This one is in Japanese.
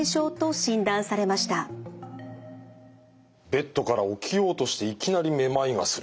ベッドから起きようとしていきなりめまいがする。